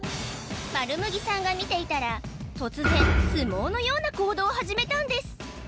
まるむぎさんが見ていたら突然相撲のような行動を始めたんです